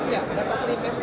dia mengetahui dari orang lain